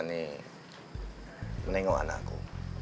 untuk melihat anakku